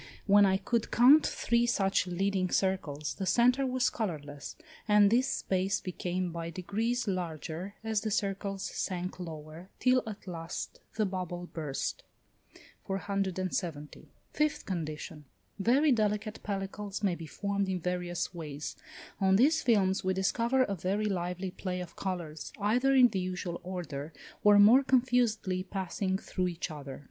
When I could count three such leading circles, the centre was colourless, and this space became by degrees larger as the circles sank lower, till at last the bubble burst. 470. Fifth condition. Very delicate pellicles may be formed in various ways: on these films we discover a very lively play of colours, either in the usual order, or more confusedly passing through each other.